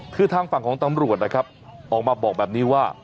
คือทางฝั่งของตำรวจนะครับออกมาบอกแบบนี้ว่า